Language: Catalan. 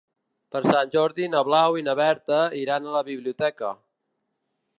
Per Sant Jordi na Blau i na Berta iran a la biblioteca.